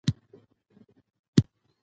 منی د افغانستان یوه طبیعي ځانګړتیا ده.